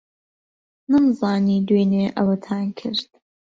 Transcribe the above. نەمزانی دوێنێ ئەوەتان کرد.